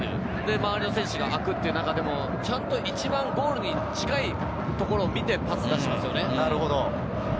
周りの選手が空くというなかでも、一番ゴールに近いところを見てパスを出しますよね。